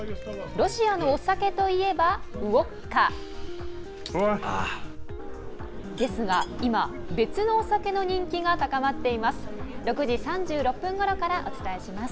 ロシアのお酒といえばウォッカですが今、別のお酒の人気が高まっています。